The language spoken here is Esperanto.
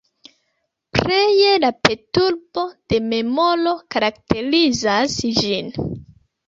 Pleje la perturbo de memoro karakterizas ĝin.